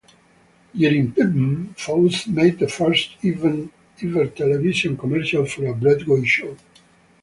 During "Pippin", Fosse made the first ever television commercial for a Broadway show.